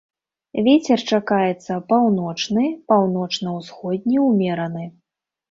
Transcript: Вецер чакаецца паўночны, паўночна-ўсходні ўмераны.